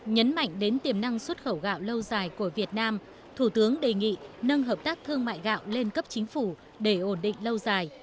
nhấn mạnh đến tiềm năng xuất khẩu gạo lâu dài của việt nam thủ tướng đề nghị nâng hợp tác thương mại gạo lên cấp chính phủ để ổn định lâu dài